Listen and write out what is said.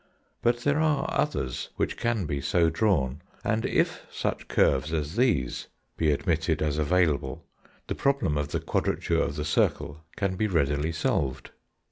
But there are others which can be so drawn. And if such curves as these be admitted as available, the problem of the quadrature of the circle can be readily solved.